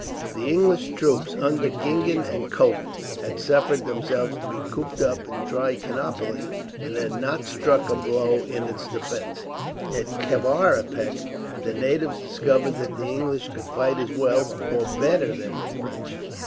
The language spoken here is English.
The English troops, under Gingen and Cope, had suffered themselves to be cooped up in Trichinopoli, and had not struck a blow in its defence. At Kavaripak, the natives discovered that the English could fight as well, or better than the French.